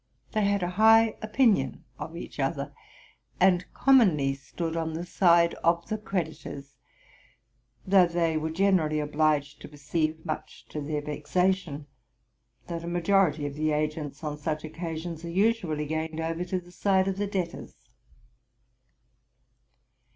They had a high opinion of each other, and commonly stood on the side of the credit " ors; though they were generally obliged to perceive, much to their vexation, that a majority of the agents on such occa sions are usually gained over to the side of the debtors.